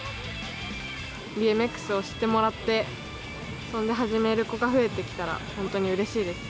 ＢＭＸを知ってもらって、そんで始める子が増えてきたら、本当にうれしいです。